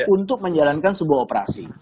untuk menjalankan sebuah operasi